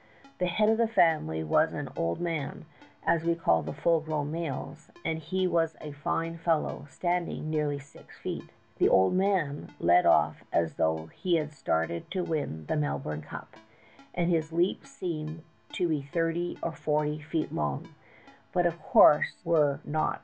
The head of the family was an 'old man,' as we call the full grown males, and he was a fine fellow, standing nearly six feet high. " The ' old man ' led off as though he had started to win the Melbourne cup, and his leaps seemed to be thirty or forty feet long, but, of counse were not.